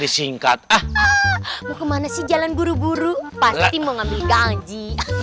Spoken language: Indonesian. mau kemana sih jalan buru buru pasti mau ngambil gaji